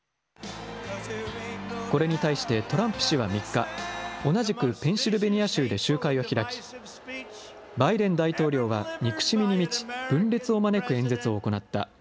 これに対して、トランプ氏は３日、同じくペンシルベニア州で集会を開き、バイデン大統領は憎しみに満ち、分裂を招く演説を行った。